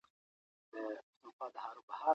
مدافع وکیلان د کار کولو مساوي حق نه لري.